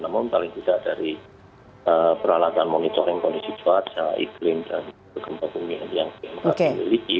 namun paling tidak dari peralatan monitoring kondisi cuaca iklim dan berkembang bumi yang diiliki